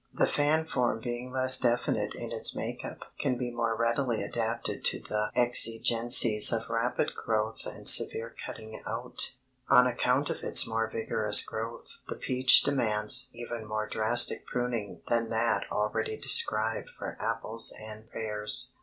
The fan form being less definite in its makeup can be more readily adapted to the exigencies of rapid growth and severe cutting out. [Illustration: FIG. 33 ESPALIER PEACH, HARTFORD, CONN.] On account of its more vigorous growth the peach demands even more drastic pruning than that already described for apples and pears.